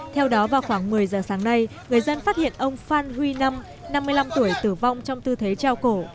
theo đó vào khoảng một mươi giờ sáng nay người dân phát hiện ông phan huy năm năm mươi năm tuổi tử vong trong tư thế trao cổ